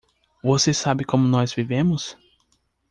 Você sabe como nós vivemos?